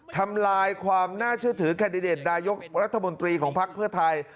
ทำลายความน่าเชื่อถือแคนดิเดตนายกรัฐมนตรีของภักดิ์เพื่อไทย